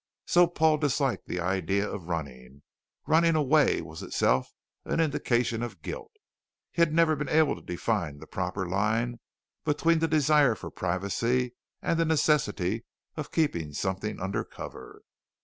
So Paul disliked the idea of running. Running away was itself an indication of guilt. He had never been able to define the proper line between the desire for privacy and the necessity of keeping something under cover.